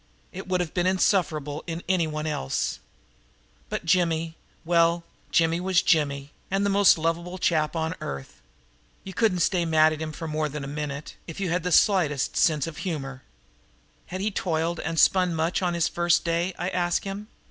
It would have been insufferable in anyone else; but Jimmy well, Jimmy was Jimmy, and the most lovable chap on earth. You couldn't stay mad at him more than a minute, if you had the slightest sense of humor. Had he toiled and spun much on his first day, I asked him.